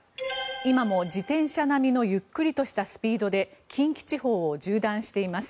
今も自転車並みのゆっくりとしたスピードで近畿地方を縦断しています。